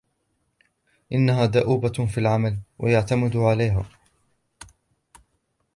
إنها دؤوبة في العمل ويعتمد عليها.